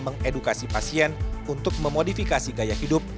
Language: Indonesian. mengedukasi pasien untuk memodifikasi gaya hidup